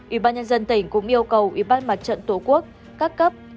ủy ban nhân dân tỉnh cũng yêu cầu ủy ban mặt trận tổ quốc các cấp